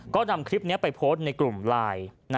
ก็นำคลิปนี้ไปโพสต์ในกลุ่มไลน์